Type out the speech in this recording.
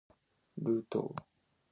Anàxö xah iyocazx.